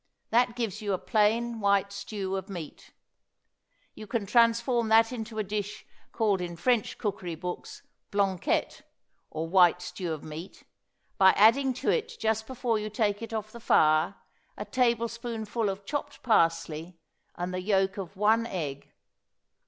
That gives you a plain white stew of meat. You can transform that into a dish called in French cookery books blanquette, or white stew of meat, by adding to it just before you take it off the fire a tablespoonful of chopped parsley and the yolk of one egg.